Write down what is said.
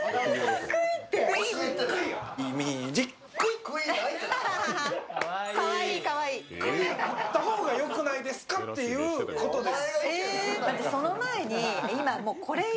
食った方がよくないですかってことです。